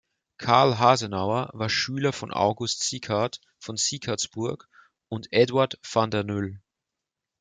Carl Hasenauer war Schüler von August Sicard von Sicardsburg und Eduard van der Nüll.